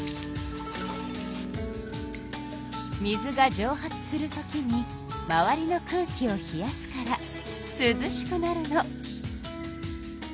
水がじょう発する時に周りの空気を冷やすからすずしくなるの。